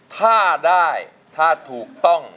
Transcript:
ถ้าได้ถ้าถูกต้อง